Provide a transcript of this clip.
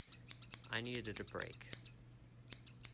I needed a break.